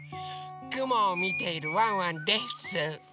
くもをみているワンワンです。